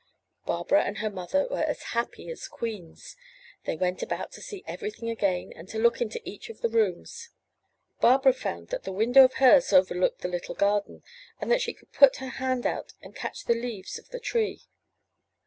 Barbara and her mother were as happy as queens, they went about to see everything again and to look into each of the rooms. Barbara found that the window of hers overlooked the little garden, and that she could put her hand out and catch the leaves of the tree.